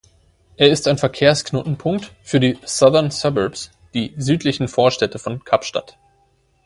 Er ist ein Verkehrsknotenpunkt für die "Southern Suburbs", die „Südlichen Vorstädte“ von Kapstadt.